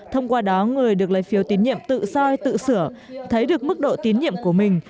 thông qua đó người được lấy phiếu tín nhiệm tự soi tự sửa thấy được mức độ tín nhiệm của mình